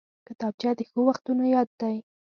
کتابچه د ښو وختونو یاد دی